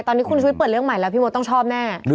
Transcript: ตอนนี้คุณชุวิตเปิดเรื่องใหม่แล้วพี่มดต้องชอบแน่